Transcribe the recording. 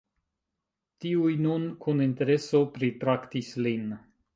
Tiuj nun kun intereso pritraktis lin.